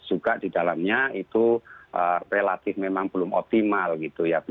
juga di dalamnya itu relatif memang belum optimal gitu ya